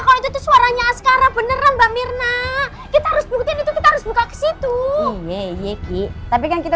enggak salah kalau itu suaranya sekarang bener mbak mirna kita harus buka ke situ tapi kita